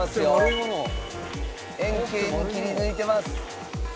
円形に切り抜いてます。